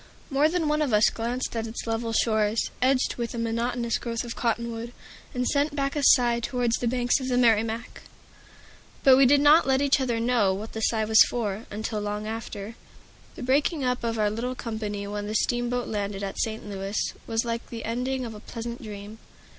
More than one of us glanced at its level shores, edged with a monotonous growth of cottonwood, and sent back a sigh towards the banks of the Merrimack. But we did not let each other know what the sigh was for, until long after. The breaking up of our little company when the steamboat landed at Saint Louis was like the ending of a pleasant dream.